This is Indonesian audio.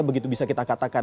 begitu bisa kita katakan